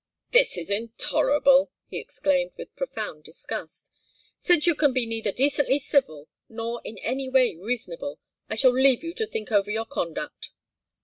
"This is intolerable!" he exclaimed, with profound disgust. "Since you can be neither decently civil nor in any way reasonable, I shall leave you to think over your conduct."